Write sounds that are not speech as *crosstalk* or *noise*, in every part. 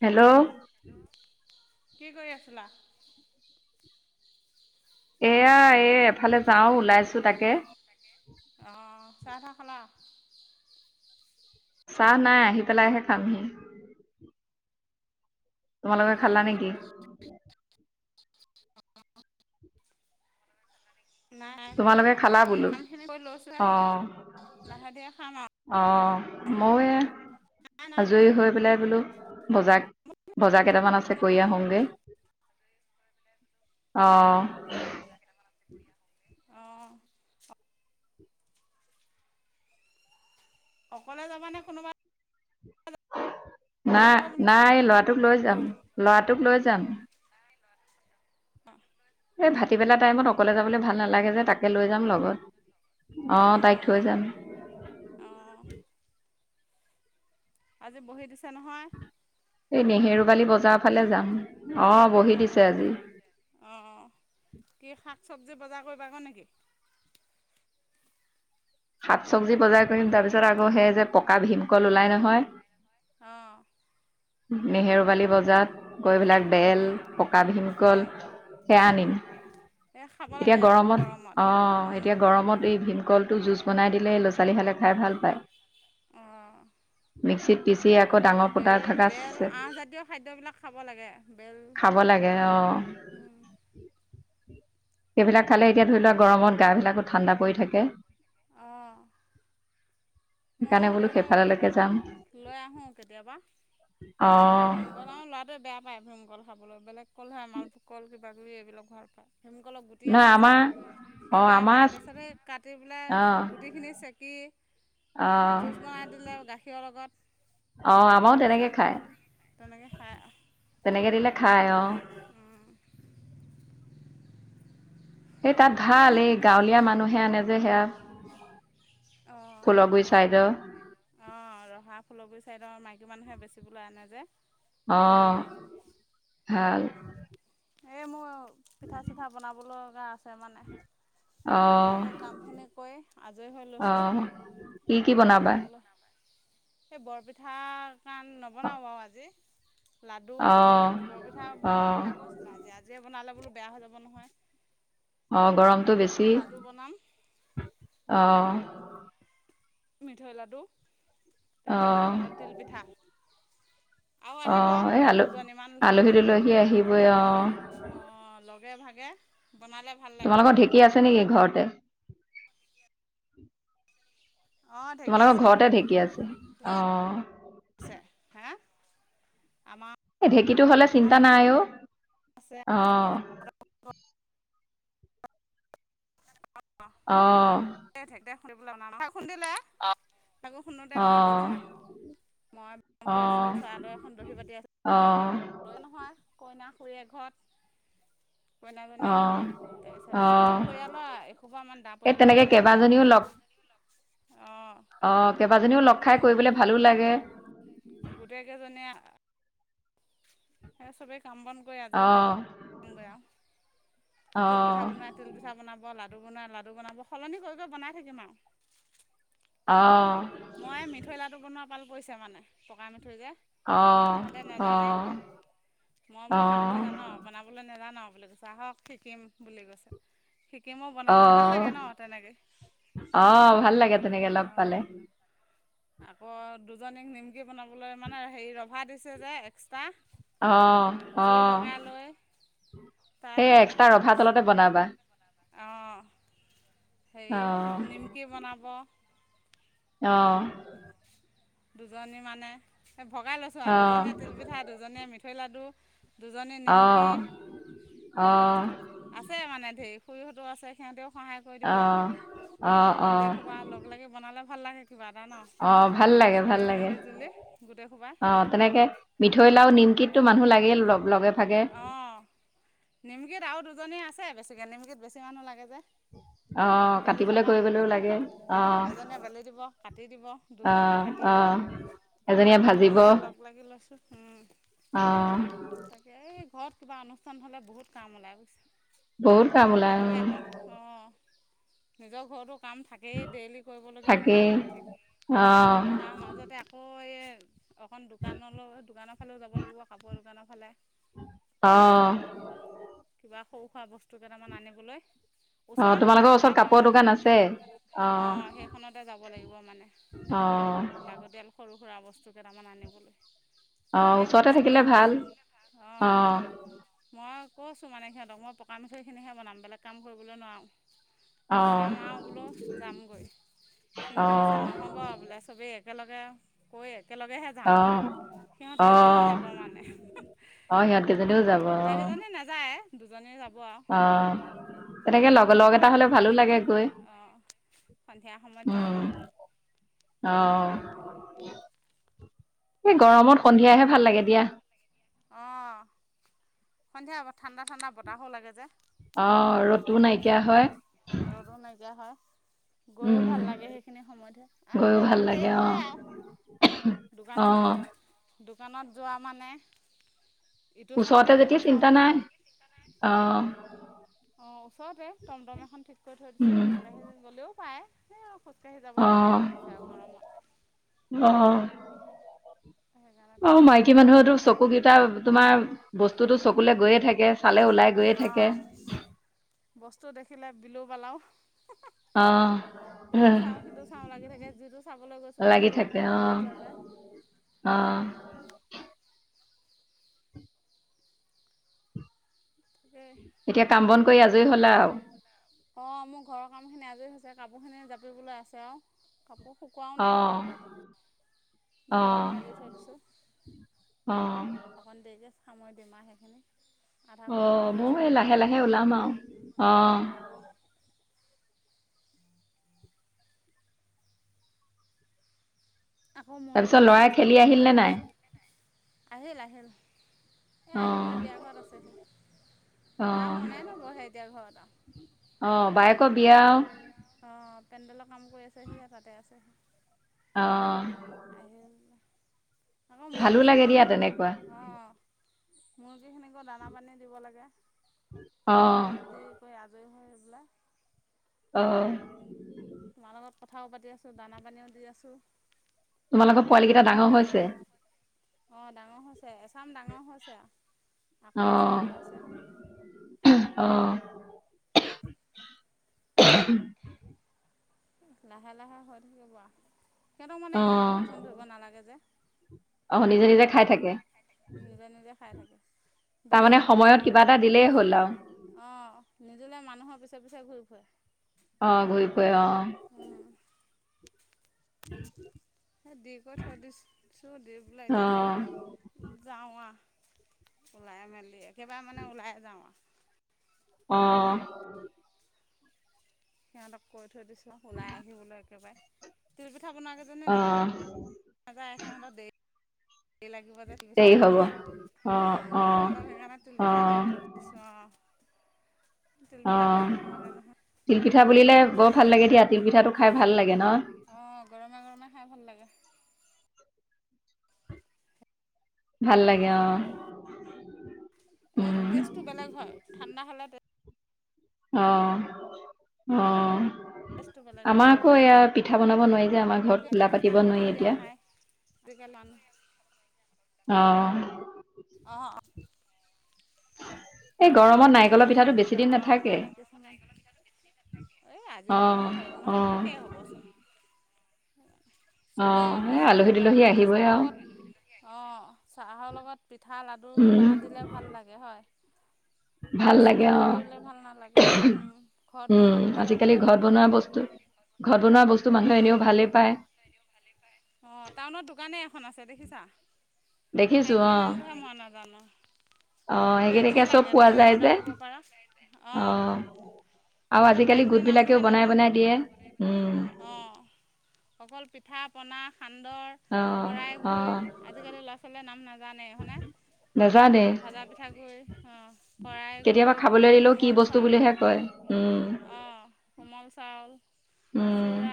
Hello, কি কৰি আছিলা? এয়া এ এফালে যাওঁ, ওলাইছোঁ তাকে। অ' চাহ-তাহ খালা? চাহ নাই আহি পেলাইহে খামহি। তোমালোকে খালা নেকি নাই তোমালোকে খালা এই বোলো, কামখিনি কৰি লৈছোঁহে অ'। লাহে ধীৰে খাম আৰু। অঁ মই এ নাই নাই আজৰি হৈ পেলাই বোলো বজা- বজাৰ কেইটামান আছে। কৰি খাম। আহোঁ গে। অঁ। আহঁ। অকলে যাবা নে কোনোবা যাব নাই বোলো? নাই লৰাটোক লৈ যাম লৰাটোক লৈ যাম। অ'। এই ভাটিবেলা টাইমত অকলে যাবলৈ ভাল নালাগে যে তাকে লৈ যাম লগত। অ' অঁ তাইক থৈ অঁ যাম। অঁ আজি বহি দিছে নহয়? নেহেৰু বালি ব পূজাৰ ফালে যাম। অ', অঁ বহি দিছে অঁ আজি। চব্জি বজাৰ কৰিবা গৈ নেকি? শাক চব্জি বজাৰ কৰিম, তাৰপিছত আকৌ সেই যে পকা ভীমকল ওলাই নহয় আহঁ। নেহেৰুবালি বজাৰত এইবিলাক বেল অঁ পকা ভীমকল অঁ সেয়া অঁ আনিম এই খাব লাগে এতিয়া আকৌ গৰমত- অ', অঁ এতিয়া গৰমত এই ভিন কলটো জুচ বনাই দিলে ল'ৰা ছোৱালী হালে খাই ভাল পায় অঁ মিক্সিত পিচি আকৌ ডাঙৰ ফুটা হেৰি থকা বেল আহজাতীয় খাদ্যবিলাক খাব লাগে বেল খাব লাগে অঁ। সেইবিলাক খালে এতিয়া ধৰি লোৱা গৰমত গা বিলাকো ঠাণ্ডা পৰি থাকে অঁ ময়ো সেইকাৰণে বোলো গ'লে, সেইফাললৈকে যাম লৈ আহোঁ কেতিয়াবা। অ ভীমকল আৰু ল'ৰাটোৱে বেয়া পায় ভীমকল। খাবলৈ বেলেগ কলহে, মাল ভোগ কল কিবাাকিবি এইবিলাক ভাল পায়। সেমুক অলপ গুটি নহয় আছে যে, আমাৰ সি অ বেয়া পায়। আমাৰ তাৰপিছত সেই কাটি পেলাই অ গুটিখিনি চেক কি অ জুচ বনাই দিলে, গাখীৰৰ লগত। অ' আমাৰো চাহ তেনেকে খায়। তেনেকৈ খাই তেনেকে দিলে খায় অ'। স তাত তাকে ভাল মোক এই গাঁৱলীয়া মানুহে আনে যে সেয়া অ'। ফুলগুৰি চাইদৰ অ' ৰহা ফুলকগুৰি চাইদৰ মাইকী মানুহে বেছ টি বোলো আনে যে। ভাল অ', সেইখিনি ভাল। এ মোৰ পিঠা-চিঠা বনাব লগা আছে। তাৰমানে। অ তাকে কামখিনি কৰি আজৰি হৈ অ লৈছোঁ। কি - কি বনাবা? বনাবলৈ এই বৰপিঠা, কাণ নবনাও বাৰু আজি। লাডু, অ বৰপিঠা অ বনোৱা কথা তে বনালে বোলো বেয়া হৈ যাব নহয়। অহ, গৰমটো বেছি, লাডু বনাম অহ মিঠৈ লাডু, অ তাৰপিছত আকৌ তিলপিঠা। আৰু আহিব অহ, এই আলু, দুজনীমান আলহী-দুলহী আহিবই অহ। ভাগে-ভাগে। তোমালোকৰ ঢেঁকী আছে নেকি ঘৰতে? অঁ ঢেঁকী তোমালোকৰ আছে ঘৰতে ঢেঁকী আছে, ঢেঁকী আছে অ হা আমাৰ এই ঢেঁকীটো হ'লে চিন্তা নাই অ, আছে ওচৰ অ'হ। অ এ ঢেকী দে খুন্দিবলৈ অনা নহয় অ, খুন্দিলে আকো শুনোতে মই গ'লোঁ আমাৰ, মই অ কৈ আছিলো চাদৰ এখন দহি বাটি আছ অ অ দৈ নহয় কইনা খুৰীয়ে ঘৰত অ কইনাজনী তাৰপিছত অ আকৌ, এই পৰিয়ালৰ এসোপা মান দা এই পৰিয়ালটো তেনেকে ডাঙৰ যে কেইবাজনীও লগ অঁ অ, কেইবাজনীও লগ খাই কৰিবলৈ ভালো লাগে। গোটেই কেইজনীয়ে সে চবেই কাম বন কৰি অ আজৰি হৈ কামগৈ আৰু অ তিলপিঠা বনোৱাই, তিলপিঠা বনাব। লাডু বনাই, লাডু বনাব সলনি কৰি কৰি বনাই থাকিম আও। অ মই মিঠৈ লাডু বনোৱা পাল পৰিছে মানে, পকা মিঠৈ মিঠৈ যে, অ সিহঁতে অ নাজানে মই বোলো খাবলৈ জান? অ নাজান আও বুলি কৈছে, আহক শিকিম বুলি কৈছে। শিকিমো বনাব ভাল অহ অহ, লাগে ন তেনেকৈ অহ ভাল লাগে তেনেকে লগ পালে। অঁ আকৌ দুজনীক নিমকি বনাবলৈ মানে হেৰি ৰভা দিছে যে এক্সট্ৰা। অহ জুই লগাই লৈ অহ তাত সেই এক্সট্ৰা ৰভা তলতে বনাবা। সেই অ নিমকি বনাব অ দুজনী মানে এই ভগাই লৈছো আৰু অ দুজনীয়ে তিলপিঠা, দুজনীয়ে মি ঠৈ লাডু, দুজনীয়ে অ নিমকি, অ আছে মানে সেই খুৰীহঁতো আছে সিহঁতেও সহায় কৰি দিব, অ অ গোটেই খোবা লগ-লাগি বনালে ভাল লাগে কিবা। এটা ন অ, ভাল লাগে, ভাল চবেই লাগে, মিলি জুলি গোটেই সোপা অ, তেনেকে মিঠৈ লাৰু, নিমকিত ত মানুহ লাগিলে লগ লগত অ, নিমকিত আৰু দুজনী আছে বেছিকে নিমকিত বেছি মানুহ লাগে যে। আহ বেলি কাটিবলৈ থকা, কৰিবলৈও লাগে কাটি, অ আহ এজনীয়ে বেলি দিব, কাটি দিব, অ দুজন- অ এজনীয়ে ভাজিব, সেই লগ লাগি লৈছোঁ অহ তাকে এই ঘৰত কিবা অনুষ্ঠান হ'লে বহুত কাম ওলাই গৈছে। বহুত কাম ওলাই, উম অঁ নিজৰ ঘৰতো কাম থাকেই, ডেইলি কৰিবলগীয়াখিনি, থাকেই অ আহ তাৰ মাজতে আকৌ এই অকণ দোকানলৈ-দোকানৰ ফালেও যাব লাগিব, কাপোৰৰ দোকানৰ ফালে। অহ কিবা সৰু-সুৰা বস্তু কেইটামান আনিবলৈ। অ, তোমালোকৰ ওচৰত কাপোৰৰ দোকান আছে? অ, সেইখনতে যাব লাগিব মানে, অ লাগতিয়াল সৰু সুৰা বস্তু কেইটামান আনিবলে। অ, ওচৰতে থাকিলে ভাল। অ, মই ক'ছোঁ মানে সিহঁতক মই পকা মিঠৈখিনিহে বনাম, বেলেগ কাম কৰিবলৈ নোৱাৰোঁ। অ বনাম আৰু বোলো যামগৈ অ সিহঁতে কৈছে নহ'ব আৰু বোলে চবেই এক একেলগে কই একেলগেহে যাম। অ অ সিহঁতকেইজনীও যাব মানে। অ, সিহঁত কেইজনীও যাব, অ। এ দুজনে যা অ। তেনেকে লগ হ'ব লগ এটা আৰু হলে ভালো লাগে গৈ অ সন্ধিয়া সময়ত উম যাম আও। অ এই গৰমত সন্ধিয়াহে ভাল লাগে দিয়া। অ, সন্ধিয়া ঠাণ্ডা-ঠাণ্ডা বতাহো লাগে যে। অ ৰ'দটোও নাইকিয়া হয়। গৈয়ও উম ভাল লাগে সেইখিনি সময়তহে গৈও আহোতে ভাল অকণ লাগে দেৰি অ হয় আৰু অ দোকানত দোকানত যোৱা মানে ইটো চাওঁতে ওচতে সিটো যেতিয়া চিন্তা চাওঁতে নাই অ অ ওচৰতে টমটম এখন ঠিক কৰি থৈ দিছো উম খোজকাঢ়ি গলেও পায় খোজকাঢ়ি অ যাবলৈ এলাহ লাগিছে আৰু গৰমত সেইকাৰণে হয় অ মাইকী টমটমতে বোলো মানুহেতো যাম চকু কেইটা তোমাৰ বস্তুতো চকুলে গৈয়ে থাকে চালে ওলাই গৈয়ে থাকে অহ বস্তু দেখিলে বিলু পালাও অ। এইটো চাওঁ সেইটো চাওঁ লাগি থাকে যিটো চাবলৈ গৈছিলোঁ লাগি সেইটো থাকে অ পাহৰিয়ে যোৱা যায় অ অঁ তাকেই এতিয়া কাম বন কৰি আজৰি হলা আও? অ মোৰ ঘৰৰ কাম খিনি আজৰি হৈছে। কাপোৰ খিনি জাপিবলে আছে আও। কাপোৰ শুকোৱাও অ নাই কেইটামান অ বাহিৰতে মেলি থৈ দিছোঁ অ। অকণ দেৰিকৈ সামৰি দিমাৰ সেইখিনি আধা অ শুকান বাহিৰৰ মই এই চালিৰ লাহে তলতে লাহে ওলাম আৰু অ অঁ আকৌ মুৰ্গী তাৰপিছত কেইটাকো লৰাই চাউল খেলি আহিল নে কেইটামান নাই দিছোঁ। আহিল আহিল এই অ আহি পেলাই বিয়া ঘৰত আছে তাৰ অ মনে নবহে এতিয়া ঘৰত কি কবি আও অঁ পেণ্ডেলৰ কাম কৰি আছে সি তাতে আছে অ আহিল আকৌ ভালো মুৰ্গী লাগে চৰি দিয়া তেনেকুৱা অ মুৰ্গীখিনিকো দানা পানী দিব লাগে অ' সেইখিনিও দি কৰি আ ৰৈ ৰৈ আহোতে অ। তোমাৰ লগত কথাও পাতি আছো, দানা পানীও দি আছোঁ। তোমালোকৰ পোৱালি কেইটা ডাঙৰ হৈছে অ, ডাঙৰ হৈছে। এচাম ডাঙৰ হৈছে আও। আকৌ অ' এচাম ওলাইছে। *unintelligible* ওম ওমহো লাহে-লাহে হৈ থাকিব আ। সিহঁতক মানে ইমান আল অ' পইছান ধৰিব নালাগে যে। অ' নিজে নিজে সেইকাৰণে খাই থাকে নিজে নিজে খাই থাকে। তাৰমানে সময়ত কিবা এটা দিলেই হ'ল আৰু অহ নিজুলে মানুহৰ পিছে পিছে ঘূৰি ফুৰে অ গৈ পাই অ *inaudible* এ দি কৈ থৈ দিছো দি বোলে, এতিয়া অ' যাওঁ আহ ওলাই মেলি একেবাৰে মানে ওলাই যাওঁ আৰু। অ'। সিহঁতক কৈ থৈ দিছো ওলাই আহিবলৈ একেবাৰে তিলপিঠা বনোৱা কেইজনী অ'। নাযায়। সিহঁত দে *inaudible* লাগিব যে পিঠা দেৰি হ'ব বনোৱা। অ' অ' অ' সিহঁতক সেইকাৰণে তিলপিঠাৰ দায়িত্ব দিছোঁ আও। অহ লাগে নহয় তিল পিঠা বুলিলে বৰ ভাল লাগে দিয়য়া তিল পিঠাটো খাই ভাল লাগে ন'? অহ, গৰমে -গৰমে খাই ভাল লাগে। ভাল লাগে অ এ উম টেষ্ট টো বেলেগ হয় ঠাণ্ডা হলে অ', অ'। টেষ্টটো বেলেগ হয় আমাৰ আকৌ এয়া নাৰিকল পিঠা বনাব নোৱাৰি যে আমাৰ ঘৰত। চুলা পাতিব নোৱাৰি এতিয়া। এইটো কিমান? অঁ অঁ অ'। এই গৰমত কিছুমানে তিল নাৰিকলৰ পিঠাটো নাখায় যে বেছি দিন বেমাৰৰ নাথাকে কাৰণে। কিছুমানে এই অ আজি বনাম, অ সেইদিনাখন শেষেই হ'বচোন। চবেই অ' এ আলহী-দুলহী আহিবহে আও। অ' চাহৰ লগত পিঠা-লাডু উম কিবা দিলে, ভাল লাগে হয়। ভাল বিস্কুট লাগে কেইটা অ'। দিলে ভাল নালাগে উম, ঘৰত বনোৱা উম, কিবা এটা আজিকালি দিলে ভাল ঘৰত লাগে বনোৱা বস্তু ঘৰত বনোৱা বস্তু মানুহে এনেও ভালে পায়। অহ, টাউনত দোকানে এখন আছে দেখিছ দেখিছো অ ঠাইখিনিৰ নামটোহে মই নাজানোঁ। অ গোটে সেইকেইটাকে যি চব লাগে পোৱা তুমি যায় যে অৰ্ডাৰ দিব পাৰা অ অহ,। আৰু আজিকালি গোট বিলাকেও বনাই -বনাই দিয়ে উম। অঁ অকল পিঠা, পনা সান্দৰ, অ কৰাই অ গুই, আজিকালি ল'ৰা-ছোৱালীয়ে নাম নাজানে, হয়নে? নাজানে ভজা পিঠাগুৰি, অ'। কৰাই কেতিয়াবা গুৰি খাবলৈ দিলেও কি কোমল বস্তু চাউল বুলিহে কয় উম অহ কোমল চাউল উম, চিৰা।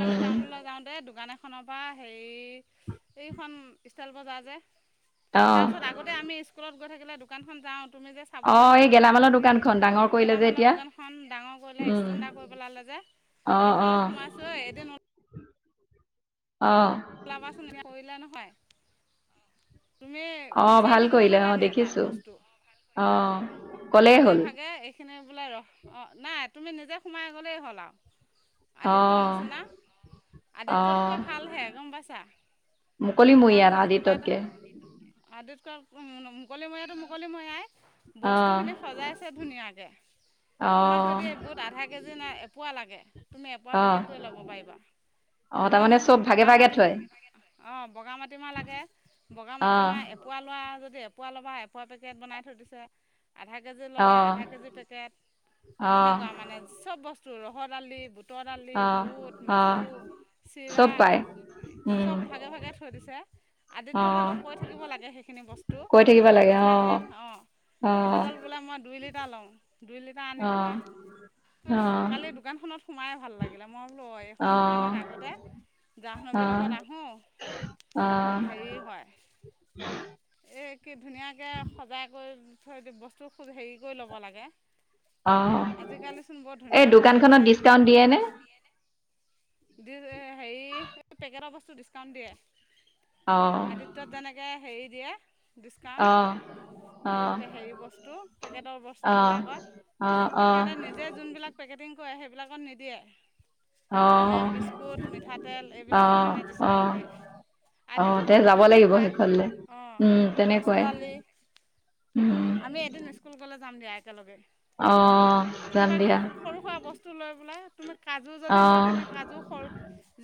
কালি টাউনলৈ যাওঁতে দোকান খনৰ পৰা হেৰি এইখন ইষ্টাইল বজাৰ যে তাৰ অ', পিছত আগতে আমি স্কুলত গৈ থাকিলে দোকান খন যাও তুমি যে চাবোন অ', আনা, এই গেলামালৰ দোকানখন ডাঙৰ কৰিলে যে গেলামালৰ এতিয়া। দোকানখন ডাঙৰ কৰিলে, উম, ইষ্টেনডাৰ কৰি পেলালে যে। অ', সেইখনত অ', সোমাইছোঁ ঐ এদিন অ'। লাবাচোন, এয়া কৰিলা নহয়? তুমি অ' বিচাৰি ভাল থাকিব কৰিলে, অ' নালাগে তাত দেখিছোঁ। বস্তু অ', ক'লেই ভাগে হ'ল -ভাগে এইখিনি বোলে ৰস অহ নাই। তুমি নিজে সোমাই গ'লেই হ'ল আৰু। আদিত্যৰ অ', নিচিনা আদিত্যতকৈ ভাল হে। মুকলিমই ইয়াৰ আদিততকে। *unintelligible* মুকলিময়আচাচিকিং টো মুকলিময়াই অ', বস্তুখিনি সজাইছে ধুনীয়াকৈ তোমাক অ', যদি বুট আধা কেজি নাই এপোৱা লাগে তুমি এপোৱা পেকেটটোৱে ল'ব ধপাৰিবা - অহ, তাৰমানে চব ভাগে - ভাগে থয়। অহ, বগা মাটিমাহ লাগে বগা অ', মাটিমাহ এপোৱা লোৱা যদি এপোৱা ল'বা। এপোৱা পেকেট বনাই থৈ দিছে। আধা কেজি ল'লে অ', আধা কেজি পেকেট অ', তেনেকুৱা মানে চব বস্তু ৰহৰ দালি তৰালি অ', বুট, অ', মগু, চিৰা চব পায়। উম, চব ভাগে - ভাগে থৈ দিছে। আদিত্যত অ', আকৌ কৈ থাকিব লাগে সেইখিনি বস্তু। কৈ থাকিব লাগে অ', মিঠাতেল অঁ অ', মিঠাতেল বোলে মই দুই লিটাৰ লও। দুই লিটাৰ আনিবা। অ', অ'। কালি দোকানখনত সোমাই ভাল লাগিলে মই বোলো অ এইখন অহ দোকানত আগতে যা নবি লগত অহ আহো, অহ হেৰি হয় এই কি ধুনীয়াকে সজাই কৰি থৈ দি বস্তু খুব হেৰি কৰি ল'ব লাগে। অঁ' আজিকালিচোন বৰ এই ধুনীয়া সজাই দোকানখনত দিলে ডিচকাউণ্ট দিয়ে নে? *unintelligible* হেৰি পেকেটৰ বস্তু ডিচকাউণ্ট দিয়ে। অহ আদিত্যত যেনেকে হেৰি দিয়ে ডিছকাউণ্ট অ'। এই পে হেৰি বস্তু পেকেটৰ অহ অহ অহ বস্তুবিলাকত। সিহঁতে নিজে যোনবিলাক পেকেটিং‌ সেইবিলাকত নিদিয়ে যেনে বিস্কুট, মিঠাতেল এইবিলাকত অ' মানে ডিছকাউণ্ট অ'। দিয়ে অ' তে আদিত্যটোতো যাব লাগিব তেনেকুৱাই শেষলে উম, তেনেকোৱাই। অ' আমি এদিন স্কুল গ'লে‌ যাম দিয়া একেলগে। অহ যাম কিবা কিবি দিয়া সৰু সুৰা বস্তু লৈ পেলাই তুমি কাজু যদি লোৱা অহ তুমি কাজু সৰ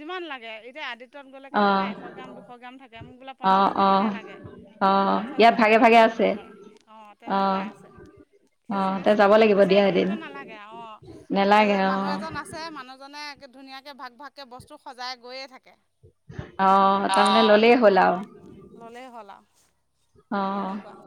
যিমান লাগে এতিয়া আদি তত গ'লে অহ কেতিয়াবা এশ গ্ৰাম দুশ গ্ৰাম থাকে, মোক বোলে অহ পঞ্চাছ অহ গ্ৰামহে লাগে। তুমি অহ পঞ্চাছ ইয়াত গ্ৰাম ভাগে ভাগে পেকেতটোৱে ল'ব আছে পাৰা। অ' অহ তেনেকুৱা আছে। অহ তে খিচমিচ যাব খোজ লাগিব দিয়া বিচাৰি এদিন থাকিব নালাগে অ নেলাগে এজে অহ মানুহ এজন আছে মানুহজনে ধুনীয়াকে ভাগ ভাগকে বস্তু সজাই গৈয়ে থাক অ' তাৰমানে ললেই হ'ল আও ল'লেই হ'ল আৰু অ'। তেনেকুৱা